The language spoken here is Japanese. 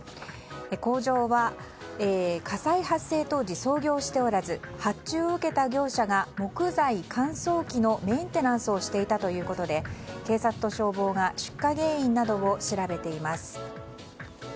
工場は火災発生当時操業しておらず発注を受けた業者が木材乾燥機のメンテナンスをしていたということで警察と消防が出火原因などを調べています。